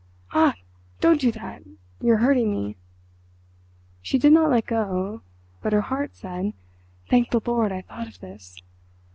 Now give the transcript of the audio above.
"Ach! don't do that—you are hurting me!" She did not let go, but her heart said, "Thank the Lord I thought of this."